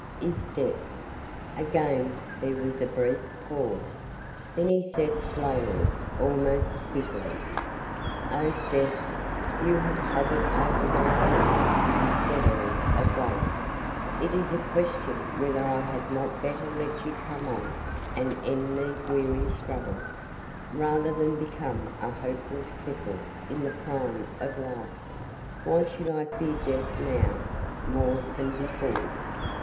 "Is death." Again there was a brief pause. Then he said slowly, almost bitterly "Oh, death! you have hovered over my head pretty steadily of late! It is a question whether I had not better let you come on and end these weary struggles, rather than become a hopeless cripple in the prime of life! Why should I fear death now more than before?"